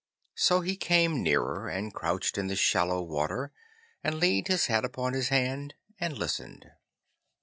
So he came nearer, and couched in the shallow water, and leaned his head upon his hand and listened.